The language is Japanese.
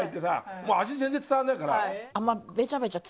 味全然伝わんないから。